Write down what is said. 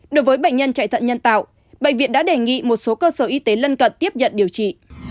đối với bệnh nhân chạy thận nhân tạo bệnh viện đã đề nghị một số cơ sở y tế lân cận tiếp nhận điều trị